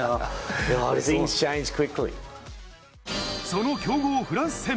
その強豪フランス戦。